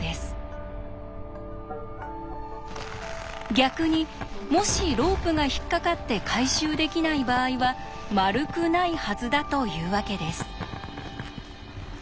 逆にもしロープが引っ掛かって回収できない場合は丸くないはずだというわけです。